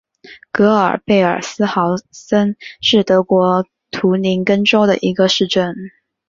格尔贝尔斯豪森是德国图林根州的一个市镇。